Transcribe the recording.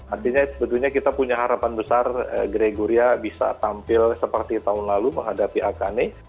artinya sebetulnya kita punya harapan besar gregoria bisa tampil seperti tahun lalu menghadapi akane